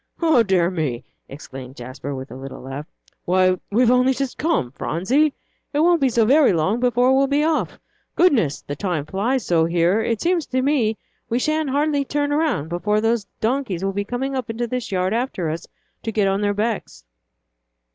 "O dear me!" exclaimed Jasper, with a little laugh, "why, we've only just come, Phronsie! It won't be so very long before we'll be off. Goodness! the time flies so here, it seems to me we sha'n't hardly turn around before those donkeys will be coming into this yard after us to get on their backs."